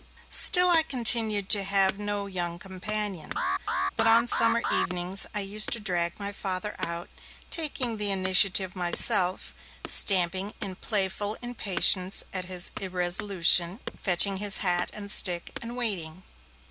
Still I continued to have no young companions. But on summer evenings I used to drag my Father out, taking the initiative myself, stamping in playful impatience at his irresolution, fetching his hat and stick, and waiting.